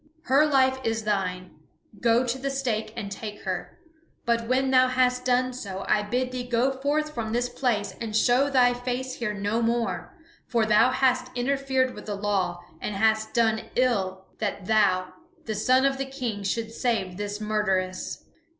Her life is thine; go to the stake and take her. But when thou hast done so I bid thee go forth from this place and show thy face here no more. For thou hast interfered with the law, and hast done ill that thou, the son of the King, should save this murderess.